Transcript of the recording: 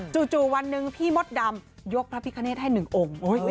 จู่วันนึงพี่มดดำยกพระพิคเนธให้หนึ่งองค์